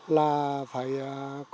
là phải gỡ ra được